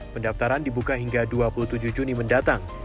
pendaftaran dibuka hingga dua puluh tujuh juni mendatang